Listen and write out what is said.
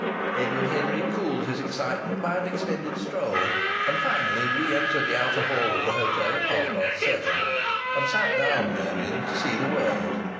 Edward Henry cooled his excitement by an extended stroll, and finally re entered the outer hall of the hotel at half past seven, and sat down therein to see the world.